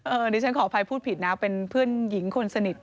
อันนี้ฉันขออภัยพูดผิดนะเป็นเพื่อนหญิงคนสนิท